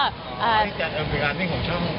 ของช้อง